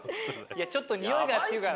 ちょっとニオイがって言うから。